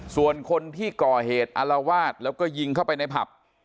ส่วนคนที่ก่อเหตุอารวาสแล้วก็ยิงเข้าไปในผับ